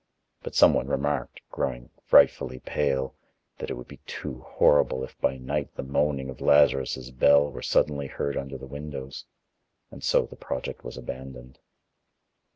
But someone remarked, growing frightfully pale, that it would be too horrible if by night the moaning of Lazarus' bell were suddenly heard under the windows, and so the project was abandoned.